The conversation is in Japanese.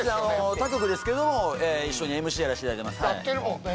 他局ですけども一緒にＭＣやらせていただいてますやってるもんね